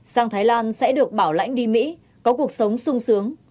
sang thái lan sẽ được bảo lãnh đi mỹ có cuộc sống sung sướng